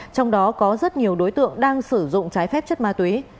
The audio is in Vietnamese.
trong đó có rất nhiều đối tượng đang sử dụng trái phép chất ma túy